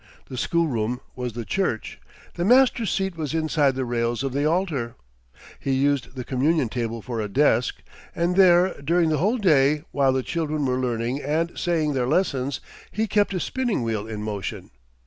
The school room was the church. The master's seat was inside the rails of the altar; he used the communion table for a desk; and there, during the whole day, while the children were learning and saying their lessons, he kept his spinning wheel in motion.